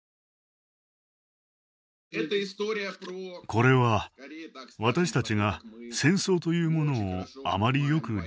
これは私たちが「戦争」というものをあまりよく理解していないという話です。